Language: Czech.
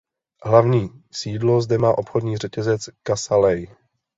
Hlavní sídlo zde má obchodní řetězec Casa Ley.